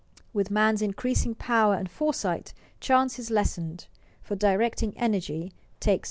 With man's increasing power and foresight, chance is lessened, for directing energy takes its place.